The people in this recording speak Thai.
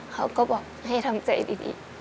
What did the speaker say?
เขาก็บอกให้ทำใจดี